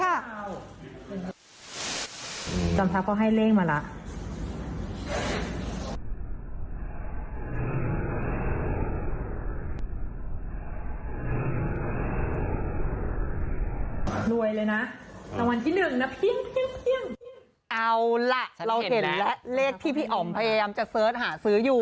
เอาล่ะเราเห็นแล้วเลขที่พี่อ๋อมพยายามจะเสิร์ชหาซื้ออยู่